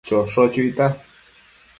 Chosho chuita